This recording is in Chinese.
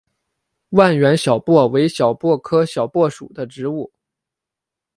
万源小檗为小檗科小檗属的植物。